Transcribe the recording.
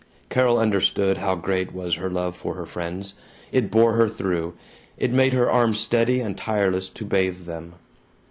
Carol understood how great was her love for her friends. It bore her through; it made her arm steady and tireless to bathe them.